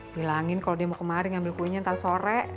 bilangin kalau dia mau kemari ngambil kuyenya ntar sore